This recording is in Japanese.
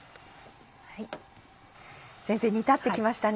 先生煮立ってきましたね。